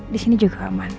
di sini juga aman